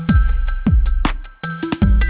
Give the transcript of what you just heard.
gak ada yang nungguin